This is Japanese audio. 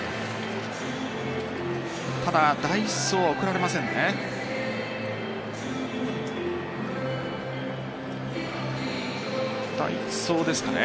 ただ、代走は送られませんね。